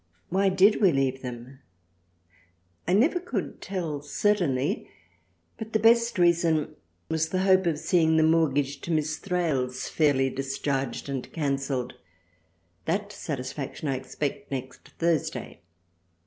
Why did we leave them .? I never could tell, certainly but the best reason was the Hope of seeing the Mortgage to Miss Thrales fairly discharged and cancelled, that satis faction I expect next Thursday.